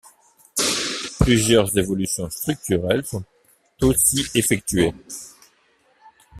Plusieurs évolutions structurelles sont aussi effectuées.